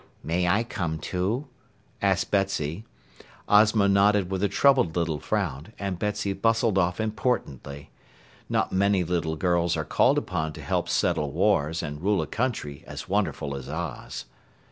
"May I come, too,?" asked Betsy. Ozma nodded with a troubled little frown, and Betsy bustled off importantly. Not many little girls are called upon to help settle wars and rule a country as wonderful as Oz.